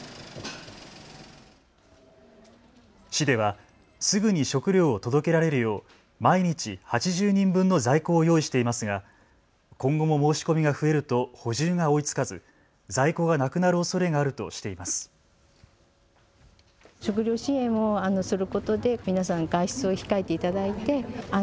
市ではすぐに食料を届けられるよう毎日８０人分の在庫を用意していますが今後も申し込みが増えると補充が追いつかず在庫がなくなるおそれがあるとしています。